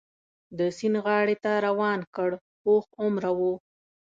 د سیند غاړې ته روان کړ، پوخ عمره و.